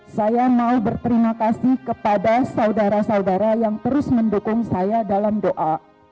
saya mau berterima kasih kepada saudara saudara yang terus mendukung saya dalam doa